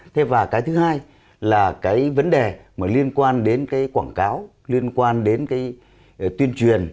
thế và cái thứ hai là cái vấn đề liên quan đến quảng cáo liên quan đến tuyên truyền